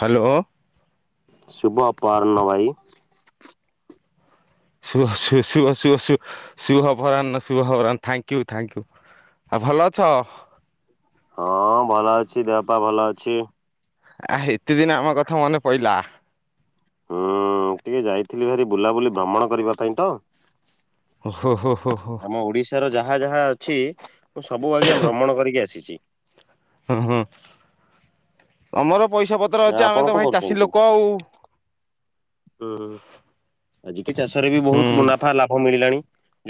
Hello ହଁ। ଶୁଭ ଅପରାହ୍ନ ଭାଇ। ଶୁଭ ଶ ଶୁଭ ଶୁଭ ଶୁ ଶୁଭ ଅପରାହ୍ନ ଶୁଭ ଅପରାହ୍ନ ଥ୍ୟାଙ୍କ ୟୁ ଥ୍ୟାଙ୍କୟୁ। ଆଉ ଭଲ ଅଛ? ହଁ ଭଲ ଅଛି ଦେହପା ଭଲ ଅଛି। ଆ ହେତେଦିନେ ଆମ କଥା ମନେ ପଇଲା। ହଁ ଟିକେ ଯାଇଥିଲି ଭାରି ବୁଲାବୁଲି ଭ୍ରମଣ କରିବା ପାଇଁ ତ। ଓହୋ ହୋ ହୋ ହୋ ହୋ। ତାର ଯାହା ଯାହା ଅଛି ମୁଁ ସବୁ ଆଜ୍ଞା ଭ୍ରମଣ କରିକି ଆସିଛି। ହୁଁ ହୁଁ ତମର ପଇସା ପ ତ୍ର ଅଛି। ଆପଣ ଆମେ ତ କଣ ଭାଇ ଚାଷୀ କରୁଛନ୍ତି? ଲୋକ ଆଉ। ହୁଁ ହୁଁ ଆଜିକାଲି ଚାଷରେ ବି ହୁଁ ବହୁତ ମୁୁନା ଫା ଲାଭ ମିଳିଲାଣି।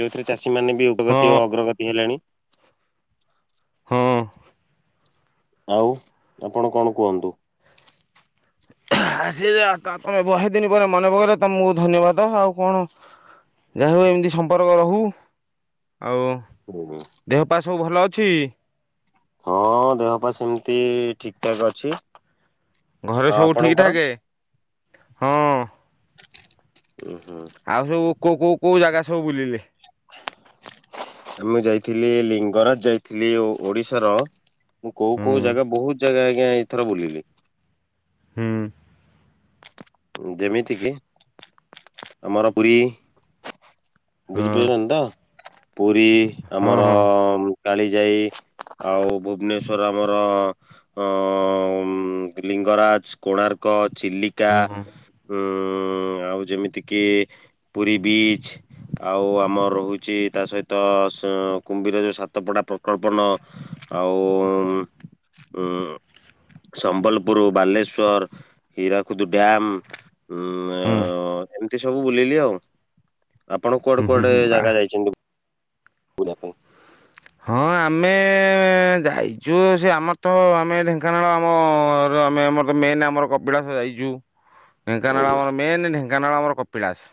ଯେଉଁଥିରେ ଚାଷୀମାନେ ବି ହଁ ଉଗ୍ରଗତି ଓ ଅଗ୍ରଗତି ହେଲେଣି। ହଁ। ଆଉ ଆପଣ କଣ କୁହନ୍ତୁ? ଆଜି ଆ ତା ତମେ ବହେ ଦିନ ପରେ ମନେ ପକେଇଲ ତମକୁ ଧନ୍ୟବାଦ ଆଉ କଣ। ଯାହାହଉ ଏମିତି ସମ୍ପର୍କ ରହୁ। ଆଉ [inaudible] ଦେହପା ସବୁ ଭଲ ଅଛି? ହଁ ଦେହ ପା ସେମିତି ଠିକ୍ ଠାକ୍ ଅଛି। ଘରେ ଆଉ ସବୁ ଠିକ ଆପଣଙ୍କର? ଠାକ? ହଁ। ଓ ହୁଁ। ଆଉ ସବୁ କୋଉ କୋଉ କୋଉ ଜାଗା ସବୁ ବୁଲିଲେ? ଆମେ ଯାଇଥିଲି ଲିଙ୍ଗରାଜ ଯାଇଥିଲି ଓଡିଶାର ମୁଁ କୋଉ ହୁଁ କୋଉ ଜାଗା ବହୁତ ଜାଗା ଆଜ୍ଞା ଏଇଥର ବୁଲିଲି। ହୁଁ। ଯେମିତି କିି ଆମର ପୁରୀ। ହଁ ବୁଝିପାରୁଚିନ ତ ପୁରୀ ହଁ ଆମର ହଁ କାଳି ଯାଇ ଆଉ ଭୁବନେଶ୍ଵର ଆମର ଅ ଲିଙ୍ଗରାଜ, କୋଣାର୍କ, ଚିଲିକା। ହୁଁ ହୁଁ ହୁଁ ଆଉ ଯେମିତି କିି ପୁରୀ ବିଚ। ଆଉ ଆମର ରହୁଚି ତା ସହିତ କୁମ୍ବୀର ଯେଉ ସାତପଡ଼ା ପ୍ରକଳ୍ପନ। ଆଉ ଉ ଉମ୍ ସମ୍ବଲପୁର, ବାଲେଶ୍ୱର, ହୀରା କୁଦ୍ ଡ୍ୟମ୍ ଉମ ହୁଁ ଅ ଏମିତି ସବୁ ବୁଲିଲି ଆଉ। ଆପଣ ହୁଁ କୁଆଡେ ହୁଁ କୁଆଡେ ହୁଁ ଆ ଜାଗା ଯାଇଚନ୍ତି ବୁଲିଆ ପାଇଁ? ହଁ ଆମେ ଯାଇଛୁ ସେ ଆମର ତ ଆମେ ଢେଙ୍କାନାଳ ଆମ ଆମେ ଆମର ମେନ ଆମର କପିଳାସ ଯାଇଚୁ। ଢେଙ୍କାନାଳ ଆଜ୍ଞା ଆମର ମେନ ଢେଙ୍କାନାଳ ଆମର କପିଳାସ।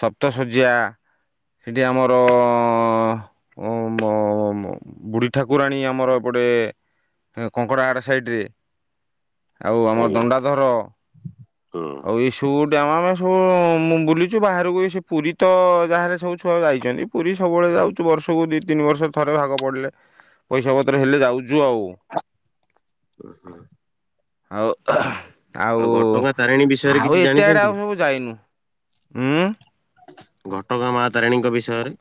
ସପ୍ତ ଶଯ୍ୟା ସେଠି ଆମର ଉ ବୁଢ଼ୀ ଠାକୁରାଣୀ ଆମର ଏପଟେ। ତେଣ କଙ୍କଡ଼ହାଡ଼ ସାଇଟ ରେ। ଆଉ ଆମ ଆଜ୍ଞା ଦଣ୍ଡାଧର ହୁଁ। ହୁଁ, ଆଉ ଟୁ ଡାମ ଆମେ ସବୁ ମୁଁ ବୁଲିଚୁ ବାହାରକୁ ସେ ପୁରୀ ତ ଯାହେଲେ ସବୁ ଛୁଆ ଯାଇଚନ୍ତି। ପୁରୀ ସବୁବେଳେ ଯାଉଚୁ ବର୍ଷକୁ ଦି ତିନି ବର୍ଷ ଥରେ ଭାଗ ପଡ଼ିଲେ ପଇସା ପତ୍ର ହେଲେ ଯାଉଚୁ ଆଉ। ହୁ ହୁଁ। ଆଉ ଆଉ ଘଟଗାଁ ତାରିଣୀ ବିଷୟରେ କିଛି ଆଉ ଏତେ ଆଡେ ଜାଣିଛନ୍ତି? ଆଉ ହବୁ ଯାଇନୁ। ଉଁ। ଘଟଗାଁ ମା ତାରିଣୀଙ୍କ ବିଷୟରେ।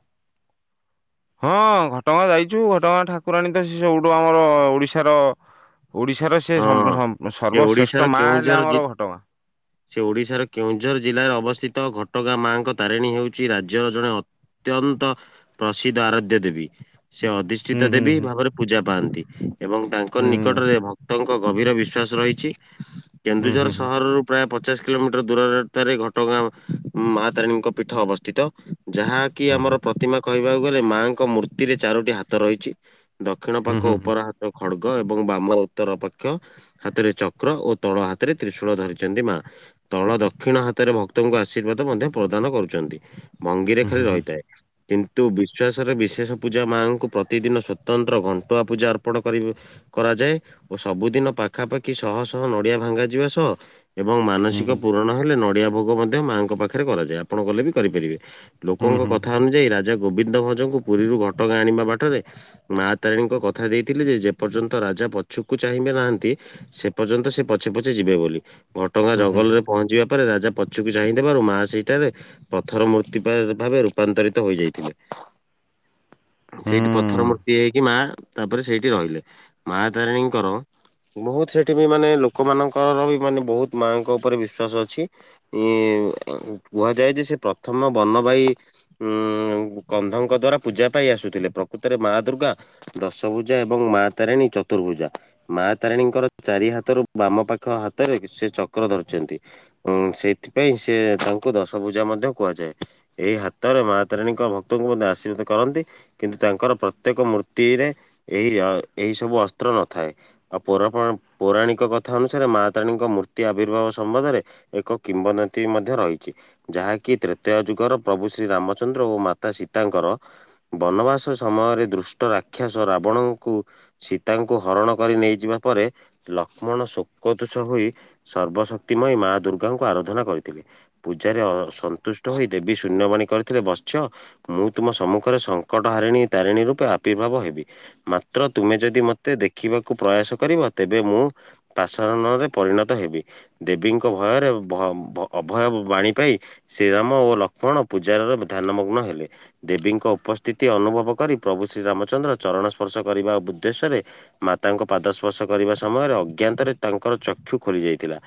ହଁ ଘଟଗାଁ ଯାଇଛୁ। ଘଟଗାଁ ଠାକୁରାଣୀ ତ ସେ ସବୁଠୁ ଆମର ଓଡ଼ିଶାର ଓଡ଼ିଶାର ସେ ହଁ। ସେ ଓଡିଶାର ସର୍ବଶ୍ରେଷ୍ଠ ମା ହେଲେ କେଉଁଝର ଜି ଆମର ଘଟଗାଁ। ସେ ଓଡ଼ିଶାର କେଉଁଝର ଜିଲ୍ଲାରେ ଅବସ୍ଥିତ ଘଟଗାଁ ମାଙ୍କ ତାରିଣୀ ହେଉଚି ରାଜ୍ୟର ଜଣେ ଅତ୍ୟନ୍ତ ପ୍ରସିଦ୍ଧ ଆରାଧ୍ୟ ଦେବୀ। ସେ ଅଧି ହୁଁ ଷ୍ଟିତ ହୁଁ ଦେବୀ ହୁଁ ଭାବରେ ପୂଜା ପାଆନ୍ତି। ଏବଂ ତାଙ୍କ ହୁଁ ନିକଟରେ ଭ ଲୋକଙ୍କ ଗଭୀର ବିଶ୍ୱାସ ରହିଚି। କେନ୍ଦୁଝର ହୁଁ ସହରରୁ ପ୍ରାୟ ପଚାଶ କିଲୋମିଟର ଦୂରରେ ତାରେ ଘଟଗାଁ ମା ତାରିଣୀଙ୍କ ପୀଠ ଅବସ୍ଥିତ। ଯାହା କି ହୁଁ ଆମର ପ୍ରତିମା କହିବାକୁ ଗଲେ ମାଆଙ୍କ ମୂର୍ତ୍ତି ରେ ଚାରୋଟି ହାତ ରହିଚି। ଦକ୍ଷିଣ ହୁଁ ପାଖ ହୁଁ ହୁଁ ହୁଁ ଉପର ହାତ ଖଡ୍ଗ ଏବଂ ବାମ ଉତର ପକ୍ଷ ହାତରେ ଚକ୍ର ଓ ତଳ ହାତରେ ତ୍ରିଶୂଳ ଧରିଚନ୍ତି ମା। ତଳ ଦକ୍ଷିଣ ହାତରେ ଭକ୍ତଙ୍କୁ ଆଶୀର୍ବାଦ ମଧ୍ୟ ପ୍ରଦାନ କରୁଚନ୍ତି। ଭଙ୍ଗିରେ ହୁଁ ଖାଲି ହୁଁ ହୁଁ ହୁଁ ହୁଁ ହୁଁ ହୁଁ ହୁଁ ହୁଁ ହୁଁ ହୁଁ ହୁଁ ରହିଥାଏ। କିନ୍ତୁ ବିଶ୍ୱାସରେ ବିଶେଷ ପୂଜା ମାଙ୍କୁ ପ୍ରତିଦିନ ସତନ୍ତ୍ର ଘଣ୍ଟୁଆ ପୂଜା ଅର୍ପଣ କରିବ। କରାଯାଏ। ଓ ସବୁଦିନ ପାଖାପାଖି ଶହ ଶହ ନଡିଆ ଭାଙ୍ଗାଯିବା ସହ ଏବଂ ମାନସିକ ହୁଁ ହୁଁ ପୂରଣ। ହେଲେ ନଡ଼ିଆ ଭୋଗ ମଧ୍ୟ ମାଙ୍କ ପାଖରେ କରାଯାଏ। ଆପଣ ଗଲେ ବି କରିପାରିବେ। ଲୋକଙ୍କ କଥା ଅନୁଯାୟୀ ରାଜା। ଗୋବିନ୍ଦ ଭଞ୍ଜ ଙ୍କୁ ପୁରୀରୁ ଘଟଗାଁ ଆଣିବା ବାଟରେ। ମା ତାରିଣୀଙ୍କ କଥା ଦେଇଥିଲେ ଯେ ଯେପର୍ଯ୍ୟନ୍ତ ରାଜା ପଛୁକୁ ଚାହିଁବେ ନାହାନ୍ତି ସେ ପର୍ଯ୍ୟନ୍ତ ସେ ପଛେ ପଛେ ଯିବେ ବୋଲି ଘଟଗାଁ ଜଙ୍ଗଲରେ। ପହଞ୍ଚିବା ପରେ, ରାଜା ପଛକୁ ଚାହିଁ ଦେବାରୁ ମା ସେହିଠାରେ। ପ୍ରଥର ମୂର୍ତ୍ତି ପା ଭାବେ ରୂପାନ୍ତରିତ ହୋଇଯାଇଥିଲେ। ସେଇଠି ପଥର ମୂର୍ତ୍ତି ହେଇକି ମା ତାପରେ ସେଇଠି ରହିଲେ ମା ତାରିଣୀଙ୍କର। ବହୁତ ସେଠି ବି ମାନେ ଲୋକମାନଙ୍କର ବି, ମାନେ ବହୁତ ମାଆଙ୍କ ଉପରେ ବିଶ୍ଵାସ ଅଛି। ଉଁ ଏ କୁହାଯାଏ ଯେ ସେ ପ୍ରଥମ ବନବାହି। ଉଁ କନ୍ଧଙ୍କ ଦ୍ଵାରା ପୂଜା ପାଇ ଆସୁଥିଲେ, ପ୍ରକୃତରେ ମା ଦୁର୍ଗା। ଦଶ ଭୁଜା ଏବଂ ମା ତାରିଣୀ ଚତୁ ରୁ ର୍ଭୁଜା ମା ତାରିଣୀଙ୍କର ଚାରି ହାତରୁ ବାମ ପାଖ ହାତରେ ସେ ଚକ୍ର ଧରିଛନ୍ତି। ଉଁ ସେଇଥିପାଇଁ ସେ ତାଙ୍କୁ ଦଶଭୂଜା ମଧ୍ୟ କୁହାଯାଏ। ଏଇ ହାତରେ ମା ତାରିଣୀଙ୍କ ଭକ୍ତଙ୍କୁ ମଧ୍ୟ ଆଶୀର୍ବାଦ କରନ୍ତି। କିନ୍ତୁ ତାଙ୍କର ପ୍ରତ୍ୟେକ ମୂର୍ତ୍ତିରେ ଏହି ଏହି ସବୁ ଅସ୍ତ୍ର ନଥାଏ। ଆଉ ପୌର ପୌରାଣିକ କଥା ଅନୁସାରେ, ମା ତାରିଣି ଙ୍କ ମୂର୍ତ୍ତି ଆବିର୍ଭାବ ସମ୍ବନ୍ଧରେ‌। ଏକ କିମ୍ବଦନ୍ତୀ ମଧ୍ୟ ରହିଛି। ଯାହାକି ତ୍ରେତେୟା ଯୁଗର, ପ୍ରଭୁ ଶ୍ରୀ ରାମଚନ୍ଦ୍ର ଓ ମାତା ସୀତାଙ୍କର। ବନବାସ ସମୟରେ ଦୃଷ୍ଟ ରାକ୍ଷାସ ରାବଣଙ୍କୁ। ତାଙ୍କୁ ହରଣ କରି ନେଇଯିବା ପରେ, ଲକ୍ଷ୍ମଣ ଶୋକତୁଷ ହୋଇ। ସର୍ବଶକ୍ତିମୟୀ ମା ଦୁର୍ଗାଙ୍କୁ ଆରଧନା କରିଥିଲେ। ପୂଜାରେ ଅ ସନ୍ତୁଷ୍ଟ ହୋଇ ଦେବୀ ଶୂନ୍ୟବାଣୀ କରିଥିଲେ ବତ୍ସ। ମୁଁ ତୁମ ସମ୍ମୁଖରେ ସଙ୍କଟ ହାରିଣୀ ତାରିଣୀ ରୂପେ ଆବିର୍ଭାବ ହେବି। ମାତ୍ର ତୁମେ ଯଦି ମ ତେ ଦେଖିବାକୁ ପ୍ରୟାସ କରିବ, ତେବେ ମୁଁ ପାସାରଣରେ ପରିଣତ ହେବି। ଦେବୀଙ୍କ ଭୟରେ ଭ ଭ ଅଭୟ ବାଣୀ ପାଇ। ଶ୍ରୀରାମ ଓ ଲକ୍ଷ୍ମଣ ପୂଜାର ରେ ଧ୍ୟାନମଗ୍ନ ହେଲେ। ଦେବୀଙ୍କ ଉପସ୍ଥିତି ଅନୁଭବ କରି, ପ୍ରଭୁ ଶ୍ରୀରାମଚନ୍ଦ୍ର ଚରଣ ସ୍ପର୍ଶ କରିବା ଉଦ୍ଦେଶ୍ୟରେ। ମାତାଙ୍କ ପାଦ ସ୍ପର୍ଶ କରିବା ସମୟରେ ଅଜ୍ଞାତରେ ତାଙ୍କର ଚକ୍ଷୁ ଖୋଲି ଯାଇଥିଲା।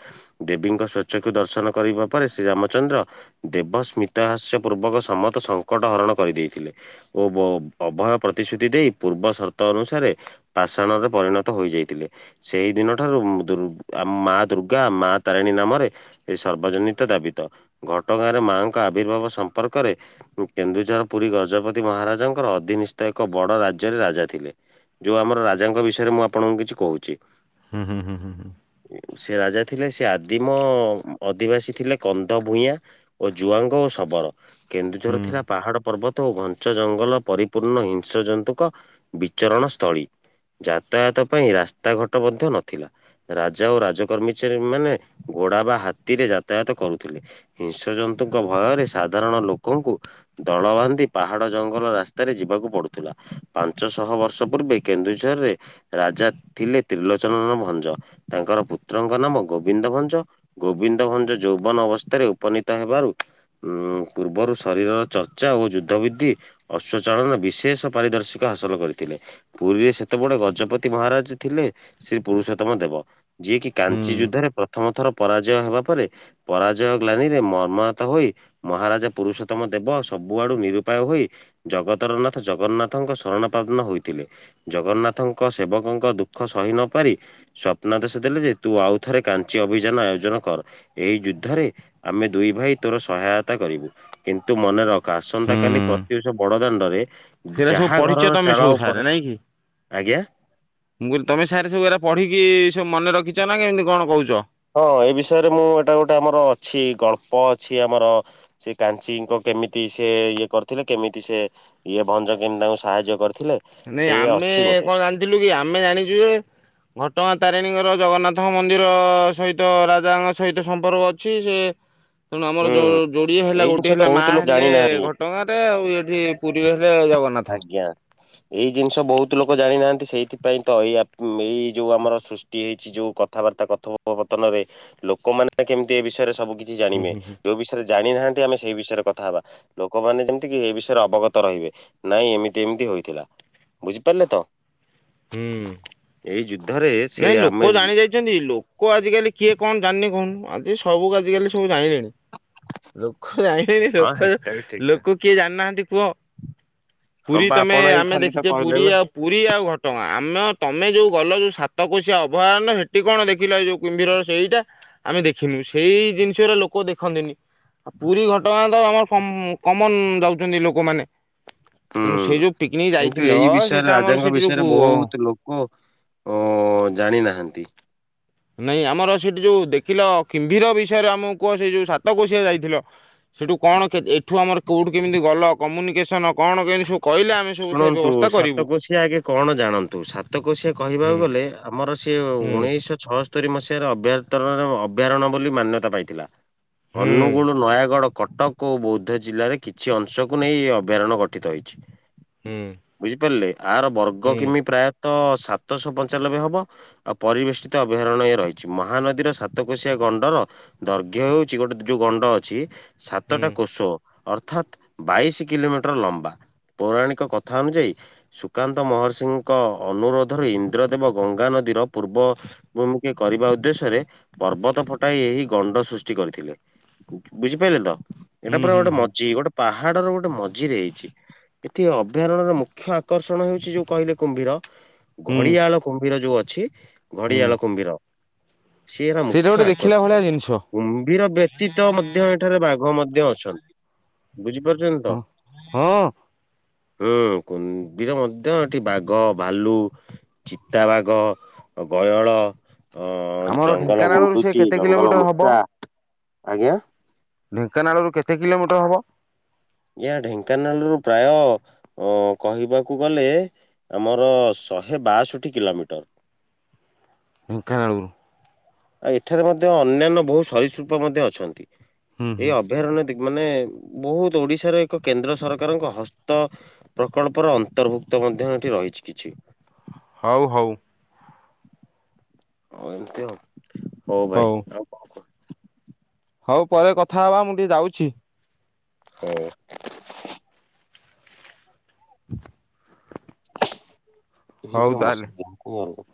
ଦେବୀଙ୍କ ସ୍ଵ ଚକ୍ଷୁ ଦର୍ଶନ କରିବା ପରେ ଶ୍ରୀ ରାମଚନ୍ଦ୍ର। ଦେବ ସ୍ମତାହାସ୍ୟ ପୂର୍ବକ ସମତ ସଙ୍କଟ ହରଣ କରିଦେଇଥିଲେ। ଓ ବ ଅଭୟ ପ୍ରତିଶ୍ରୁତି ଦେଇ ପୂର୍ବ ସର୍ତ ଅନୁସାରେ। ପାଷାଣରେ ପରିଣତ ହୋଇଯାଇଥିଲେ। ସେଇ ଦିନ ଠାରୁ ଦୁର୍ ଆମ ମା ଦୁର୍ଗା ମା ତାରିଣୀ ନାମରେ। ଏ ସର୍ବଜନିତ ଦାବିତ, ଘଟଗାଁ ରେ ମାଙ୍କ ଆବିର୍ଭାବ ସମ୍ପର୍କରେ। ଉଁ କେନ୍ଦୁଝର ପୁରୀ ଗଜପତି ମହାରାଜଙ୍କର ଅଧିନିଷ୍ଠ ଏକ ବଡ ରାଜ୍ୟରେ ରାଜା ଥିଲେ। ଯୋଉ ଆମର ରାଜାଙ୍କ ବିଷୟରେ ମୁଁ ଆପଣଙ୍କୁ କିଛି କହୁଛି। ହୁଁ ହୁଁ ହୁଁ ହୁଁ ହୁଁ। ସେ ରାଜା ଥିଲେ ସେ ଆଦିମ ଅଧିବାସୀ ଥିଲେ କନ୍ଧ ଭୂୟାଁ। ଓ ଜୁଆଙ୍ଗ ଓ ଶବର। କେନ୍ଦୁଝର ଥିଲା, ପାହାଡ ପର୍ବତ ଓ ଘଞ୍ଚ ଜଙ୍ଗଲ ପରିପୂର୍ଣ୍ଣ ହିଂସ୍ର ଜନ୍ତୁଙ୍କ ବିଚରଣ ସ୍ଥଳୀ ଯାତାୟାତ ପାଇଁ ରାସ୍ତାଘଟ ମଧ୍ୟ ନଥିଲା। ରାଜା ଓ ରାଜ କର୍ମିଚାରୀ ମାନେ ଘୋଡା ବା ହାତୀରେ ଯାତାୟାତ କରୁଥିଲେ। ହିଂସ୍ରଜନ୍ତୁଙ୍କ ଭୟରେ ସାଧାରଣ ଲୋକଙ୍କୁ। ଦଳ ବାନ୍ଧି ପାହାଡ ଜଙ୍ଗଲ ରାସ୍ତାରେ ଯିବାକୁ ପଡୁଥିଲା। ପାଞ୍ଚଶହ ବର୍ଷ ପୂର୍ବେ କେନ୍ଦୁଝର ରେ ରାଜା ଥିଲେ ତ୍ରିଲୋଚନନ ଭଞ୍ଜ ତାଙ୍କର ପୁତ୍ରଙ୍କ ନାମ ଗୋବିନ୍ଦ ଭଞ୍ଜ। ଗୋବିନ୍ଦ ଭଞ୍ଜ ଯୌବନ ଅବସ୍ଥାରେ ଉପନୀତ ହେବାରୁ ଉଁ ପୂର୍ବରୁ ଶରୀରର ଚର୍ଚ୍ଚା ଓ ଯୁଦ୍ଧ ବିଧି ଅଶ୍ଵ ଚାଳନ ବିଶେଷ ପାରିଦର୍ଶିକ ହାସଲ କରିଥିଲେ। ପୁରୀରେ ସେତେବେଳେ ଗଜପତି ମହାରାଜ ଥିଲେ ଶ୍ରୀ ପୁରୁଷୋତମ ଦେବ। ଯିଏକି କାଞ୍ଚି ଯୁଦ୍ଧରେ ପ୍ରଥମ ଥର ପରାଜୟ ହେବା ପରେ। ପରାଜୟ ଗ୍ଲାନୀରେ ମର୍ମାହତ ହୋଇ। ମହାରାଜା ପୁରୁଷୋତମ ଦେବ ସବୁଆଡୁ ନିରୁୂପାୟ ହୋଇ। ଜଗତରନାଥ ଜଗନ୍ନାଥଙ୍କ ଶରଣପାବନ ହୋଇଥିଲେ। ଜଗନ୍ନାଥଙ୍କ ସେବକଙ୍କ ଦୁଃଖ ସହି ନ ପାରି ସ୍ୱପ୍ନା ଦେଶ ଦେଲେ ଯେ ତୁ ଆଉ ଥରେ କାଞ୍ଚି ଅଭିଯାନ ଆୟୋଜନ କର ଏଇ ଯୁଦ୍ଧରେ ଆମେ ଦୁଇ ଭାଇ ତୋର ସହାୟତା କରିବୁ କିନ୍ତୁ ମନେ ରଖ କାସନ୍ତା କାଲି ପ୍ରତିବର୍ଷ ବଡ ଦାଣ୍ଡରେ ସେଇଟା ସବୁ ପଢିଛ ତମେ ସବୁ ସାର ନାଇଁ କି ଆଜ୍ଞା। ମୁଁ କହିଲି ତମେ ସାର୍ ସବୁରା ପଢ଼ିକି ସବୁ ମନେ ରଖିଛ ନା କେମିତି କଣ କହୁଛ ହଁ ଏ ବିଷୟରେ ମୁଁ ଏଇଟା ଗୋଟେ ଆମର ଅଛି ଗଳ୍ପ ଅଛି ଆମର ସେ କାଞ୍ଚିଙ୍କ କେମିତି ସେ ଇଏ କରିଥିଲେ କେମିତି ସେ ଇଏ ଭଞ୍ଜ କେମିତି ତାଙ୍କୁ ସାହାଯ୍ୟ କରିଥିଲେ ନାଇଁ ସେ ଆମେ ଅଛି ଗୋଟେ କଣ ଜାଣିଥିଲୁ କି ଆମେ ଜାଣିଛୁ ଯେ ଘଟଗାଁ ତାରିଣୀଙ୍କର ଜଗନ୍ନାଥଙ୍କ ମନ୍ଦିର ସହିତ ରାଜାଙ୍କ ସହିତ ସମ୍ପର୍କ ଅ ସେ ତେଣୁ ଆମର ହୁଁ ଯୋଡିଏ ହେଲା ଏଇ ଜିନିଷ ଗୋଟଏ ତ ହେଲା ମା ବହୁତ ଲୋକ ହେଲେ ଜାଣିନାହାନ୍ତି କଟଗାରେ ଆଉ ଏଠି ପୁରୀରେ ହେଲେ ଜଗନ୍ ଆଜ୍ଞା ଏଇ ଜିନିଷ ବହୁତ ଲୋକ ଜାଣିନାହାନ୍ତି ସେଇଥିପାଇଁ ତ ଏଇ ଏଇ ଯୋଉ ଆମର ହେଇଛି ଯୋଉ କଥାବାର୍ତ୍ତା କଥୋ ପତନରେ ଲୋକମାନେ କେମିତି ଏ ବିଷୟରେ ସବୁ କିଛି ଜାଣିମେ ହୁଁ ହୁଁ। ଯଉବିଶ ରେ ଜାଣିନାହାନ୍ତି ଆମେ ସେଇ ବିଷୟରେ କଥା ହେବା ଲୋକମାନେ ଯେମିତି କି ଏଇ ବିଷୟରେ ଅବଗତ ରହିବେ ନାଇଁ ଏମିତି ଏମିତି ହୋଇଥିଲା ବୁଝିପାରିଲେ ତ ହୁଁ ଏହି ଯୁଦ୍ଧରେ ସେ ନାଇଁ ଆମେ ଲୋକ ଜାଣି ଯାଇ ଲୋକ ଆଜିକାଲି କିଏ କଣ ଜାଣିନେ କହନ ଆଜି ସବୁ ଆଜିକାଲି ସବୁ ଜାଣିଲେଣି ଲୋକ ଜାଣିଲେନି ହଁ ଲୋକ ହେଟା ବି ଠିକ କ ଲୋକ କିଏ ଜାଣିନାହାନ୍ତି କୁହ ହଁ ପୁରୀ ବା ତମେ ଆପଣ ଏଇ ଆମେ ଖାଲି ତ ଦେଖିଛେ କହିଲେ ପୁରୀ ନା ଆଉ ପୁରୀ ଆଉ ଘଟଗାଁ ଆମ ତମେ ଯେଉଁ ଗଲ ଯେଉଁ ସାତ ସତ କୋସିି ଅଭୟହ ହେଟି କଣ ଦେଖିଲା ଯୋଉ କିମ୍ଭୀର ସେଇଟା ଆମେ ଦେଖିଲୁ ସେଇ ଜିନିଷର ଲ କୋଉ ଦେଖନ୍ତିନି ଆ ପୁରୀ ଘଟଣା ତ ଆମର କମ୍ କମନ ଯାଉଛନ୍ତି ଲୋକମାନେ ତେଣୁ ହୁଁ ସେ ଯୋଉ ପିକନିକ କିନ୍ତୁ ଯାଇଥିଲ ଏଇ ସେଇଟା ଆମର ସେଇଠି ଯୋଉ କୁ କୁ ଅ ଜାଣି ନାହାନ୍ତି ନାଇଁ ଆମର ସେଇଠି ଯେଉ ଦେଖିଲ କିମ୍ଭୀର ବିଷୟରେ ଆମକୁ କୁହ ସେ ଯୋଉଁ ସାତ କୋଶିଆ ଯାଇଥିଲ। ସେଠୁ କଣ କେ ଏଠୁ ଆମର କୋଉଠୁ କେମିତି ଗଲ। କମ୍ୟୁନିକେସନ୍। ଏ ସବୁ କାଇଲେ ଆମେ ଶୁଣନ୍ତୁ କରିବୁ। ସାତକୋଶିଆ ଆଗେ କଣ ଜାଣନ୍ତୁ ସାତକୋଶିଆ ହୁଁ କହିବାକୁ ଗଲେ ଆମର ସିଏ ହୁଁ ଉଣେଇଶିଶହ ଛଅସ୍ତରୀ ମସିହାରେ ଅଭ୍ୟ ଅଭୟାରଣ୍ୟ ବୋଲି ମାନ୍ୟତା ପାଇଥିଲା। ହୁଁ। ଅନୁଗୁଳ ନୟାଗଡ଼ କଟକ ଓ ବୌଦ୍ଧ ଜିଲ୍ଲାରେ କିଛି ଅଂଶକୁ ନେଇ ଏହି ଅଭୟାରଣ୍ୟ ଘଟି ଠିତ ହୋଇଛି। ହୁଁ। ବୁଝିପାରିଲେ ଆର ବର୍ଗ କେମିତି ପ୍ରାୟତଃ ସାତ ଶହ ପଞ୍ଚାନବେ ହବ। ଆଉ ପରିବେଷ୍ଠିତ ଅଭୟାରଣ୍ୟ ଇଏ ରହିଛି ମହାନଦୀର ସାତକୋଶିଆ ଗଣ୍ଡର ଦୈର୍ଘ୍ୟ ହଉଛି ଗୋଟେ ଯୋଉ ଗଣ୍ଡ ଅଛି ହୁଁ ସାତଟା କୋଷ ଅର୍ଥାତ୍ ବାଇଶ କିଲୋମିଟର ଲ ବା ପୌରାଣିକ କଥା ଅନୁଯାୟୀ ସୁକାନ୍ତ ମହର୍ଷିଙ୍କ ଅନୁରୋଧରୁ ଇନ୍ଦ୍ରଦେବ ଗଙ୍ଗାନଦୀର ପୂର୍ବ ମୁମୁକେ କରିବା ଉଦ୍ଦେଶ୍ୟରେ ପର୍ବତ ଫଟାଇ ଏହି ଗଣ୍ଡ ସୃଷ୍ଟି କରିଥିଲେ। ବୁଝିପାରିଲେ ତ ହୁଁ ଏଇଟା ପୁରା ହୁଁ ହୁଁ ଗୋଟେ ହୁଁ ମଝି ଗୋଟେ ପାହାଡର ଗୋଟେ ମଝିରେ ହେଇଛି। ଏଠି ଅଭୟାରଣ୍ୟର ମୁଖ୍ୟ ଆକର୍ଷଣ ହେଉଛି ଯୋଉ କହିଲେ କୁମ୍ଭୀର ହୁଁ ଘଡିଆଳ କୁମ୍ଭୀର ଯୋଉ ଅଛି ହୁଁ ଘଡିଆଳ କୁମ୍ଭୀର ସି ଏ ସେଇଟା ମୁଖ୍ୟ ଗୋଟେ ଦେଖିଲା ଭଳିଆ ଆକୃଷ ଜିନିଷ କୁମ୍ଭୀର ବ୍ୟତୀତ ମଧ୍ୟ ଏଠାରେ ବାଘ ମଧ୍ୟ ଅଛନ୍ତି ବୁଝିପାରୁଛନ୍ତି ତ ହଁ। ହଁ। ହୁଁ କୁମ୍ଭିର ମଧ୍ୟ ଏଠି ବାଘ ଭାଲୁ ଚିତାବାଘ ଆଉ ଗୟଳ ହଁ ଆମର ଜଙ୍ଗଲ ଢେଙ୍କାନାଳରୁ ସେ ଗୁଣ୍ଡୁଚି କେତେ ଜଙ୍ଗଲ କିଲୋମିଟର ହବ? ମୂଷା ଆଜ୍ଞା। ଢେଙ୍କାନାଳରୁ କେତେ କିଲୋମିଟର ହେବ? ଆଜ୍ଞା ଢେଙ୍କାନାଳରୁ ପ୍ରାୟ ଅ କହିବାକୁ ଗଲେ ଆମର ଶହେ ବାଷଠି କିଲୋମିଟର। ଢେ଼ଙ୍କାନଳୁରୁ। ଆଉ ଏଠାରେ ମଧ୍ୟ ଅନ୍ୟାନ୍ୟ ବହୁ ସରିସୃପ ମଧ୍ୟ ଅଛନ୍ତି ହୁଁ ଏ ହୁଁ ଅମ୍। ଅଭ୍ୟାଥରଣ୍ଯମାନେ ବହୁତ ଓଡିଶାର ଏକ କେନ୍ଦ୍ର ସରକାରଙ୍କ ହସ୍ତ ପ୍ରକଳ୍ପର ଅନ୍ତର୍ଭୁକ୍ତ ମଧ୍ୟ ଏଠି ରହିଛି କିଛି। ହଉ ହଉ। ହଉ ଏମିତି ହ ହଉ ଭାଇ ଆଉ କଣ? ହଉ ପରେ କଥା ହବା ମୁଁ ଟିକେ ଯାଉଛି। ହୁଁ। ଏ ଝିଥ ହଉ ପୁରା ତାହେଲେ। ମସ୍ତ ମୋ ଆଡ଼ବୁ।